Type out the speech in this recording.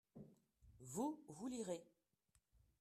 vous, vous lirez.